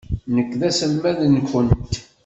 Nekk d aselmad-nwent.